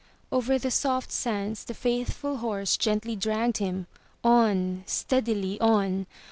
Over the soft sands the faithful horse gently dragged him — on, steadily on!